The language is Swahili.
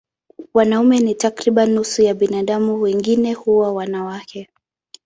Wanaume ni takriban nusu ya binadamu, wengine huwa wanawake.